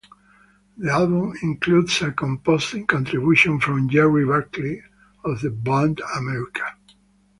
The album includes a composing contribution from Gerry Beckley of the band America.